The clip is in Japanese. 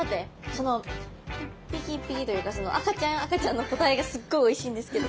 その一匹一匹というかその赤ちゃん赤ちゃんの個体がすっごいおいしいんですけど。